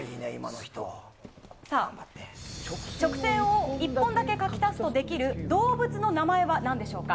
直線を１本だけ書き足すとできる動物の名前は何でしょうか。